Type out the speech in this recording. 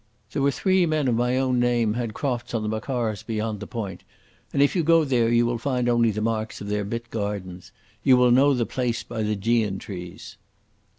There were three men of my own name had crofts on the machars beyond the point, and if you go there you will only find the marks of their bit gardens. You will know the place by the gean trees."